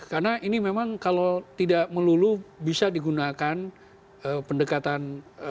karena ini memang kalau tidak melulu bisa digunakan pendekatan